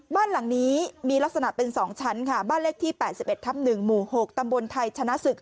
บ้านหลังนี้มีลักษณะเป็น๒ชั้นค่ะบ้านเลขที่๘๑ทับ๑หมู่๖ตำบลไทยชนะศึก